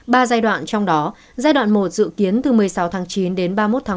ba giai đoạn trong đó giai đoạn một dự kiến từ một mươi sáu chín đến ba mươi một một mươi